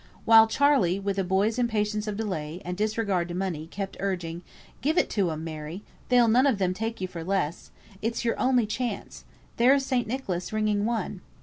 While Charley, with a boy's impatience of delay, and disregard of money, kept urging, "Give it 'em, Mary; they'll none of them take you for less. It's your only chance. There's St. Nicholas ringing one!"